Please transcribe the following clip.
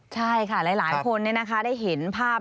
ใช่ค่ะหลายคนได้เห็นภาพ